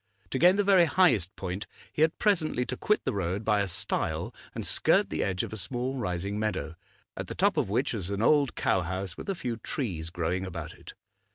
To gain the very highest point he had presently to quit the road by a stile and skirt the edge of a small rising meadow, at the top of which was an old cow house with a few trees growing about it.